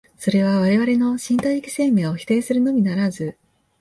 それは我々の身体的生命を否定するのみならず、